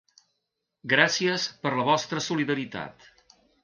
Gràcies per la vostra solidaritat.